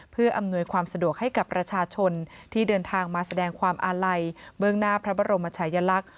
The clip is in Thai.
เพื่ออำนวยความสะดวกให้กับประชาชนที่เดินทางมาแสดงความอาลัยเบื้องหน้าพระบรมชายลักษณ์